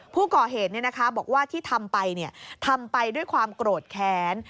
ผู้ก่อเหตุบอกว่าที่ทำไปทำไปด้วยความโกรธแค้น